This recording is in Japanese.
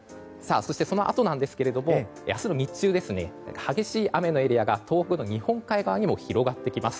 そして、そのあとなんですが明日の日中ですね激しい雨のエリアが東北の日本海側にも広がってきます。